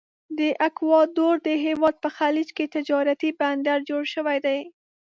د اکوادور د هیواد په خلیج کې تجارتي بندر جوړ شوی دی.